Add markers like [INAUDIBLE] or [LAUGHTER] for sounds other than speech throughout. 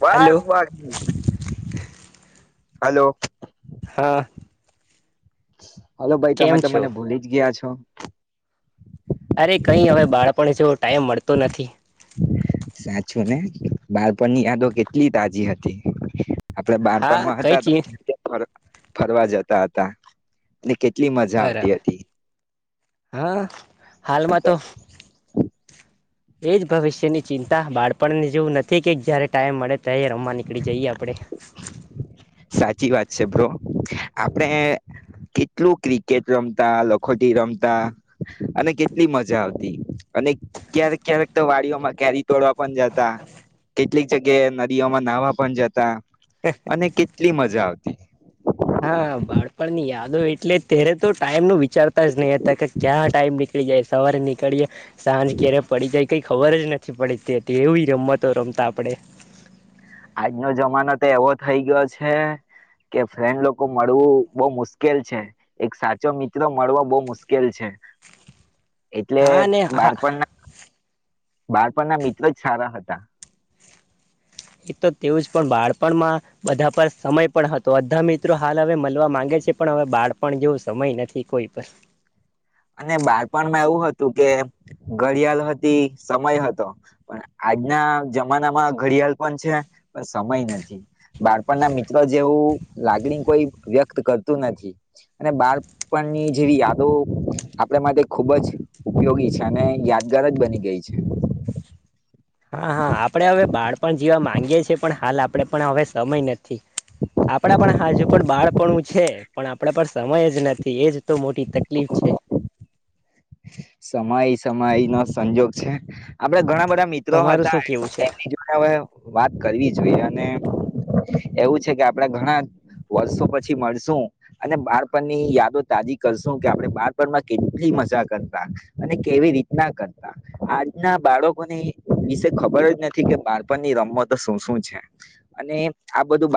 બસ hello બાકી hello હા હ હેલો ભાઈ તમે કેમ છો તમને ભૂલી જ ગયા છો થ અરે કઈ હવે બાળપણ જોવ ટાઈમ મળતો નથી સાચું ને બાળપણની યાદો કેટલી તાજી હતી. આપડે હા બારપણમાં કઈ હતા ચી ફરવા જતા હતા. ને કેટલી મજા આવતી બરાબર હતી. હા. હાલમાં તો એ જ ભવિષ્યની ચિંતા બાળપણને જેવું નથી કે જ્યારે ટાઈમ મળે એ રમવા નીકળી જઈએ આપડે. સાચી વાત બ્રો, આપણે કેટલું ક્રિકેટ રમતા લખોટી રમતા અને કેટલી મજા આવતી, અને ક્યારેક ક્યારેક તો વાડીઓમાં કરી તોડવા પણ જતા, કેટલીક જગ્યાએ માં નાહવા પણ જતા. અને કેટલી મજા આવતી. [INAUDIBLE] હા બાળપણ ની યાદ હોય એટલે ત્યારે તો ટાઈમ નું વિચારતા જ નહી હતા કે ક્યાં ટાઈમ નીકળી જાય સવારે નીકળીએ. સાંજ કેરે પડી જાય કઈ ખબર જ નથી પડીતી તે એવી રમતો રમતા આપડે. આજનો જમાનો તો એવો થઇ ગયો છે, કે ફ્રેન્ડ લોકો મળવું બહ મુશ્કેલ છે, એક સાચો મિત્ર મળવો બહ મુશ્કેલ છે. એટલે હા ને હા બાળપણ ના બાળપણના મિત્ર જ સારા હતા. એ તો તેવું જ પણ બાળપણમાં, બધા પર સમય પણ હતો બધા મિત્રો હાલ હવે મળવા માંગે છે પણ હવે બાળપણ જેવો સમય નથી કોઈ પર. અને બાળપણમાં એવું હતું કે ઘડિયાળ હતી સમય હતો, પણ આજના જમાના માં ઘડિયાળ પણ છે, પણ સમય નથી બાળપણના મિત્ર જેવું લાગણી કોઈ વ્યક્ત કરતું નથી, અને બાળપણની જેવી યાદો આપણે માટે ખૂબ જ ઉપયોગી છે અને યાદગાર જ બની ગઈ છે. હા હા આપડે હવે બાળપ જેવા માંગીએ છીએ પણ હાલ આપણે પણ હવે સમય નથી. આપણા પણ હજુ પણ બાળપણું છે. પણ આપડ પર સમય જ નથી એજ તો મોટી તકલીફ છે. સમય સમય નો સંજોગ છે, આપડે ઘણા બધા મિત્રો તમારું હતા શું કેવું છે એમની જોડે હવે વાત કરવી જોઈએ. એવું છે કે આપણે ઘણા વર્ષો પછી મળશું, અને બાળપણ ની યાદો તાજી કરશું કે આપણે બાળપણમાં કેટલી મજા કરતા, અને કેવી રીતના કરતા આજના બાળકોની વિશે ખબર જ નથી કે બાળપણની રમ તો શું શું છે, અને આ બધું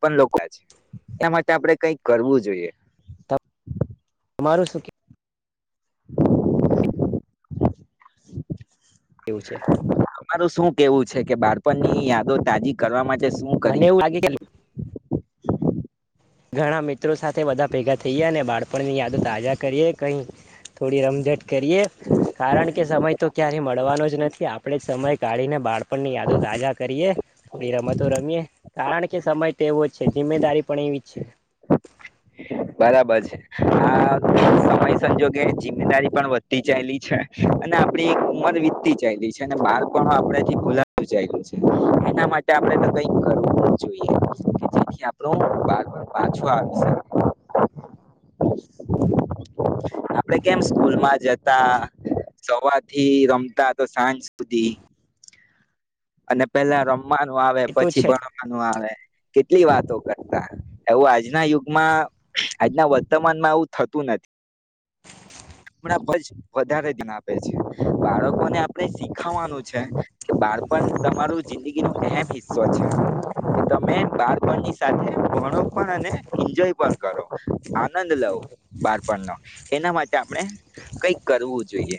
પણ લોકો છે, એ માટે આપણેે કઈક કરવું જોઈએ. તમારું સુું કે [INAUDIBLE] કેવું છે? તમારું શું કેવું છે કે બાળપણ ની યાદો તાજી કરવા માટે શું કરીએ મને એવું લાગે ચાલ ઘણા મિત્રો સાથે બધા ભેગા થઈ ગયા ને બાળપણ આપણને યાદો તાજા કરીએ, કંઈ થોડી રમઝટ કરીએ, કારણ કે સમય તો ક્યારેય મળવાનો જ નથી આપણે આપણે સમય કાઢીને બાળપણની યાદો તજા કરીએ. થોડી રમતો રમીએે. કારણ કે સમય તેવો છે જિમ્મેદારી પણ એ છે. બરાબર છે, આ સમય સંજોગે જિમ્મેદારી પણ વધતી ચાયલી છે અને આપણી ઉમર વીતતી જયલી છે, અને બાળ પણ આપ ભુલાતું છે, એના માટે આપણે તો કઈ કરવું જોઈએ કે જેથી આપણ બાળ પાછું આવી શકે. આપડે કેમ સ્કૂલમાં જતા, સવારથી રમતા તો સાંજ સુધી. અને પેલા રમ રમવાનું આવે એ તો પછી છે ભણવાનું આવે. કેટલી વાતો કરતા, એવુ આજના યુગમાં આજના વર્તમાનમાં આવું થતું નથી, ણાં વધારે ધન આપે છે, બાળકોને આપણે શીખાવાનું છે. કે બાળ પણ તમારું જિંદગીનો એમ હિસ્સો છે, કે તમે બાળપણની સાથે ભણો પણ અને એન્જોય પણ કરો, આનંદ લવ, બાળપણનો, એના માટે આપણે કઈક કરવું જોઈએ.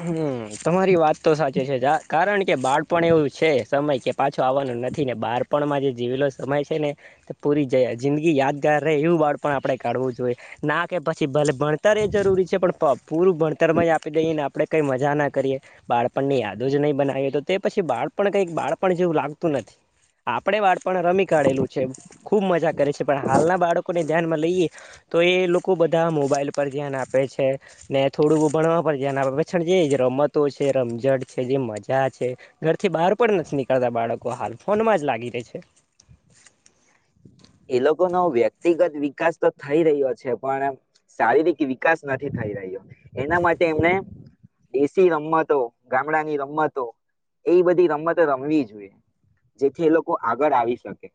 હમ તમારી વાત તો સાચી છે જા કારણ કે કે બાળપણ એવું છે સમય કે પાછો આવવાનો નથી ને બહાર આપણમાં જે જીવેલો સમય છે ને, તો પૂરી જ જિંદગી યાદગાર રહે એવું વાળ પણ આપણે કાઢવું જોઈએ, ના કે પછી ભલે ભણતર એ જરૂરી છે પણ પૂરું ભણતરમાં જ આપી દઈએને આપણે કંઈ મજા ના કરીએ, બાળપણની યાદો જ નહી બનાવીએ તો તે પછી બાળપણ કંઈક બાળપણ જેવું લાગતું નથી, આપણે બાળપણ પણ રમી કાઢેલું છે ખુબ મજા કરે છે પણ હાલના બાળકો ને ધ્યાનમાં લઈએ, તો એ લોકો બધા મોબાઈલ પર ધ્યાન આપે છે, ને થોડું ભણવા પર ધ્યાન આપે. ણ જે રમતો છે રમઝટ છે જે મજા છે, ઘરથી બહાર પણ નથી નીકળતા બાળકો હાલ ફોનમાં જ લાગી રહે છે. એ લોકોનો વ્યક્તિગત વિકાસ તો થઈ રહ્યો છે પણ શારીરિક વિકાસ નથી થઈ રહ્યો, એના માટે એમને એસી રમતો ગામડાની રમતો એ બધી રમતો રમવી જોઈએ, જેથી એ લોકો આગળ આવી શકે.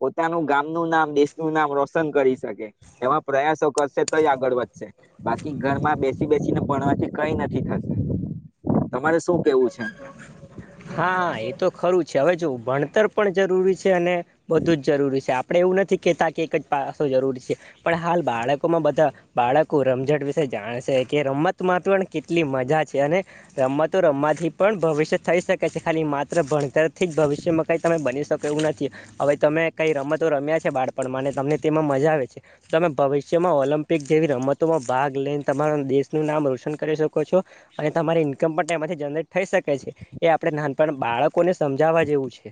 પોતાનું ગામનું નામ દેશનું નામ રોશન કરી શકે, એવા પ્રયાસો કરશે તો આગળ વધશે, બાકી ઘરમાં બેસી બેસીને ભણવાથી કઈ નથી થશે, તમારે શું કેવું છે. હા એ તો ખરું છે હવે જો ભણતર પણ જરૂરી છે અને, બધું જ જરૂરી છે આપણે એવું નથી કેહેતા કે એક જ પાસો જરૂરી છે, પણ હાલ બાળકોમાં બધા, બાળકો રમઝટ વિશે જાણશે કે રમતમાં પણ કેટલી મજા છે અને, રમતો રમવાથી પણ ભવિષ્ય થઈ શકે. ક ખાલી માત્ર ભણતર થી જ ભવિષ્ય મકાઈ તમે બની શકો એવું નથી, હવે તમે કઈ રમતો રમ્યા છે બાળપણમાં અને તમને તેમાં મજા આવે છે, તમે ભવિષ્યમાં ઓલમ્પિક જેવી રમતોમાં ભાગ લઈને તમારા દેશનું નામ રોશન કરી શકો છો, અને તમારી ઇન્કમ પણ તેમાંથી જનરેટ થઈ શકે છે. એ આપડે નાનપણ બાળકોને સમજાવવા જેવું છે.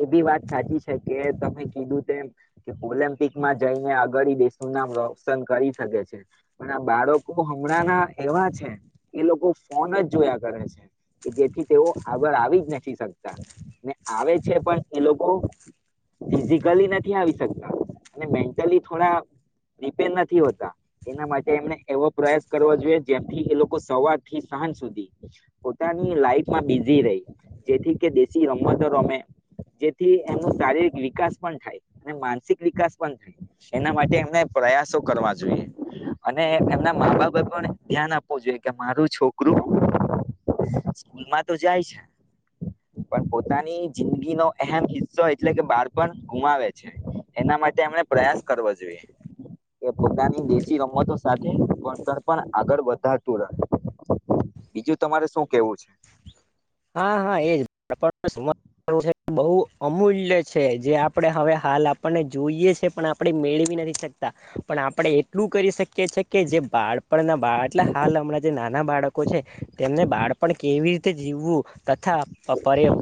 એ બી વાત સાચી છે કે તમે કીધું તેમ, કે ઓલમ્પિકમાં જઈને આગળ દેશનું નામ રોશન કરી શકે છે, પણ આ બાળકો હમણાં ના એવા છે, એ લોકો ફોન જ જોયા કરે છે, કે જેથી તેઓ આગળ આવી જ નથી શકતા, ને આવે ઝિકલી નથી આવી શકતા, અને મેન્ટલી થોડા રિપેર નથી હોતા એના માટે એમને એવો પ્રયાસ કરવો જોઈએ જેમથી એ લોકો સવાર થી સાંજ સુધી, પોતાની લાઈફમાં બિઝી રહે, જેથી કે દેશી રમતો રમે. જે એમનું શારીરિક વિકાસ પણ થાય, અને માનસિક વિકાસ પણ થાય, એના માટે એમને પ્રયાસો કરવા જોઈએ, અને એમના મા બાપ પણ ધ્યાન આપવું જોઈએ કે મારું છોકરું સ્કૂલ માં તો જાય છે, પોતાની જિંદગીનો એમ હિસ્સો એટલે કે બાળપણ ગુમાવે છે, એના માટે એમણે પ્રયાસ કરવો જોઈએ, કે પોતાની દેશી રમતો સાથે વણતર પણ આગળ વધાતું રહે, બીજું તમારે શું કેવું છે? હા હા એજ. બહુ અમૂલ્ય છે જે આપણે હવે હાલ આપણને જોઈએ છે પણ આપણે મેળવી નથી શકતા, પણ આપણે એટલું કરી શકીએ છ છે કે જે બાળ પણ ના બાળ એટલે હાલ હમણાં જે નાના બાળકો છે, તેમને બાળપણ કેવી તે જીવવું. તથા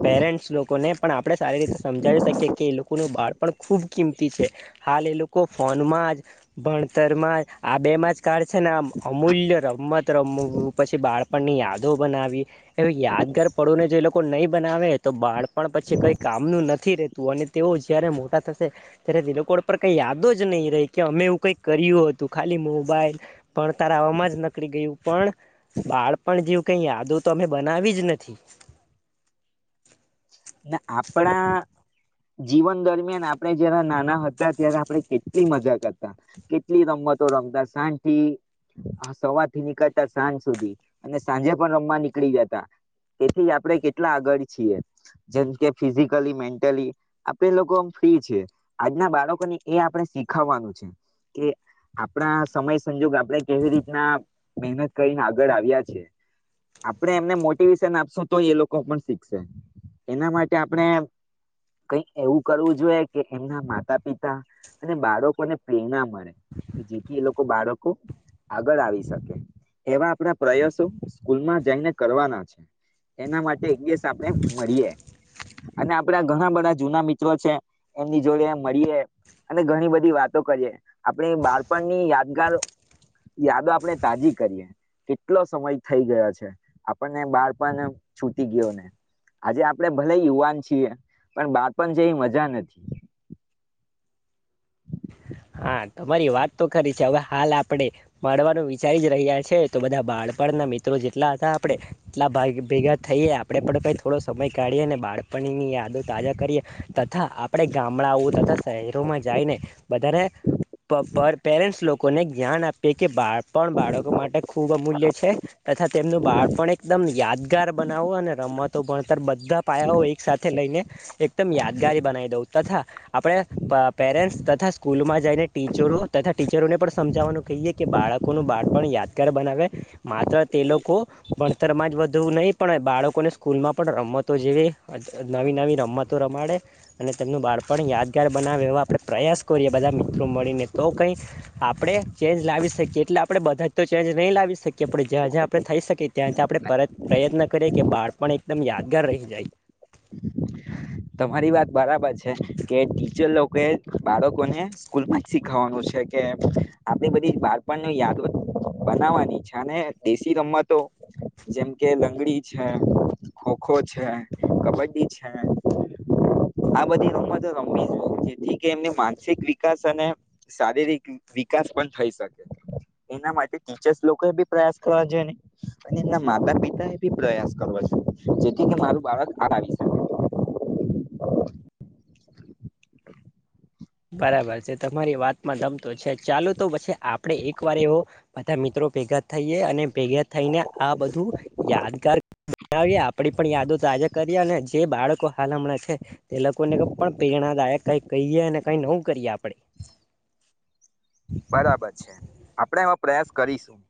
પેરેન્ટ્સ લોકોને પણ આપણે સારી રીતે સમજાવી શકીએ કે એ લોકોનું બાળપણ ખૂબ કિંમતી છે, હાલ એ લોકો ફોનમાં જ, ભણતરમાં જ, આ બેમાં જ છે ને આમ અમૂલ્ય રમત રમું પછી બાળ પણની યાદો બનાવી, એવી યાદગાર પળોને જે એ લોકો નહીં બનાવે તો બાળપણ પછી કંઈ કામનું નથી રહેતું. અને તેઓ જ્યારે મોટા થશે ત્યારે ગુગ કોડ પળ કંઈ યાદો જ નહીં રેહ કે અમે એવું કંઈ કરીયું હતું. ખાલી મોબાઈલ ભણતારાવામાં જ નકળી ગયું, પણ બાળપણ જેવું કંઈ યાદો તો અમે બનાવી જ નથી. ના આપણા જીવન દરમિયાન આપણેે જ્યારે નાના હતા ત્યારે આપણે કેટલી મજા કરતા. કેટલી રમતો રમતા સાંજથી આહ સવારથી નીકળતા સાંજ સુધી. અને સાંજે પણ રમવા નીકળી જતા. તેથી આપણે કેટલા આગળ છીએ. જેમ કે ફિઝિકલી, મેન્ટલી આપણે લોકો અમ ફ્રી છીએ. આજના બાળકોને એ આપણે શીખાવાનું છે કે આપણા સમય સંજોગ આપણે કેવી રીતના મેહનત કરીને આગળ આવ્યા છીએ. આપણે એમને મોટિવેશન આપશુ તો એ લોકો પણ શીખશે. એના માટે આપણે કઈ એવું કરવું જોઈએ કે એમના માતા-પિતા અને બાળકોને પ્રેરણા મળે, કે જેથી એ લોકો બાળકો આગળ આવી શકે. એવા આપણા પ્રયાસો સ્કૂલમાં જઈને કરવાના છે, એના માટે એક દિવસ આપણે મરીએ, અને આપડા ઘણા બધા જૂના મિત્રો છે, એમની જોડે મરીએ અને ઘણી બધી વાતો કરીએ. આપણે બાળપણની યાદગાર યાદો આપણે તાજી કરીએ. કેટલો સમય થઈ ગયો છે, આપણને બાળપણ છૂટી ગ્યો ને. આજે આપડે ભલે યુવાન છીએ, પણ બારપન જેવી મજા નથી. હા, તમારી વાત તો ખરી છે. હવે હાલ આપડે મળવાનું વિચારી જ રહ્યા છે તો બધા બાળપણના મિત્રો જે ટલા હતા આપડે એટલા ભાઈ ભેગા થઈએ આપડે પણ કંઈ થોડો સમય કાઢીએ અને બાળપણની યાદો તાજા કરીએ તથા આપડે ગામડાઓ તથા શહેરોમાં જાયને વધારે પ પર પેરેન્ટ સી લોકોને જ્ઞાન આપીએ કે બાળ પણ બાળકો માટે ખૂબ અમૂલ્ય છે. તથા તેમનું બાળપણ એકદમ યાદગાર બનાવો અને રમતો, ભણતર બધ્ધા પાયાઓ એક સાથે લઈને એકદમ યાદગારી બનાવી દઉં તથા આપણે પા પેરેન્ટ્સ તથા સ સ્કૂલમાં જઈને ટીચરો તથા ટીચરોને પણ સમજાવવાનું કહીએ કે બાળકોનું બાળ પણ યાદગાર બનાવે. માત્ર તે લોકો ભણતરમાં જ વધવુ નહીં પણ બાળકોને સ્કૂલમાં પણ રમતો જેવી અજ અજ નવી નવી રમતો રમાડે. અને તેમનું બાળપણ યાદગાર બનાવે એવા આપડે પ્રયાસ કોરિએ એ બધા મિત્રો મળીને તો કઈ આપડે ચેન્જ લાવી શકીએ. એટલે આપડે બધા તો ચેન્જ નહીં લાવી શકીએ. પડે જ્યાં જ્યાં આપડે થઈ શકીએ ત્યાં ત્યાં આપડે પરત પ્રયત્ન કરીએ કે બાળપણ એકદમ યાદગાર રહી જાય. તમારી વાત બરાબર છે કે ટીચર લોકોએ બાળકોને સ્કૂલમાં જ શીખવાનું છે કે આપણી બધી બાળપણની યાદો બનાવવાની છે. અને દેશી રમતો જેમ કે લંગડી છે, ખોખો છે, કબડ્ડી છે આ બધી રમતો રમવી [UNINTELLIGIBLE] જેથી કે એમની માનસિક વિકાસ અને શારીરિક વિ વિકાસ પણ થઈ શકે. એના માટે ટીચર્સ લોકોએ બી પ્રયાસ કવા જોઈએને અને એમના માતા-પિતા એ બી પ્રયાસ કરવો જોઈએ. જેથી કે મારું બાળક આ [UNINTELLIGIBLE] [UNINTELLIGIBLE] બરાબર છે. તમારી વાત માં દમ તો છે. ચાલો, તો પછે આપ પડે એક વાર એવો બધા મિત્રો ભેગા થઈએ. અને ભેગા થઈને આ બધું યાદગાર [UNINTELLIGIBLE] વીએ. આપણી પણ યાદો તાજા કરીએ. અને જે બાળકો હાલ હમણાં છે તે લોકોનેગ પણ પ્રેરણાદાયક કઈ કહીએ અને નવું કરીએ આપડે. બરાબર છે. આપડે એમાં પ્રયાસ કરીશું.